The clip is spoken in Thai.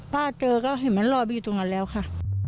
เจอก็เห็นมันรอไปอยู่ตรงนั้นแล้วค่ะ